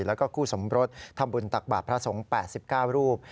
แล้วก็คู่สมรสทำบุญตักบาทพระสงฆ์๘๙รูป